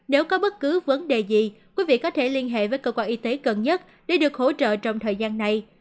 nếu có bất cứ vấn đề gì quý vị có thể liên hệ với cơ quan y tế gần nhất để được hỗ trợ trong thời gian này